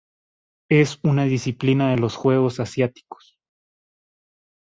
Es una disciplina de los Juegos Asiáticos.